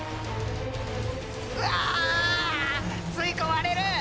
うわあ吸い込まれる！